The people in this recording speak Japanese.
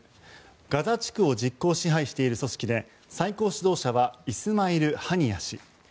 ガザ地区を実効支配している組織で最高指導者はイスマイル・ハニヤ氏。